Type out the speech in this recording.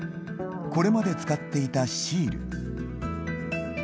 これまで使っていたシール。